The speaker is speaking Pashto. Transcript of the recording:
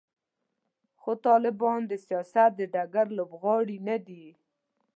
خو طالبان د سیاست د ډګر لوبغاړي نه دي.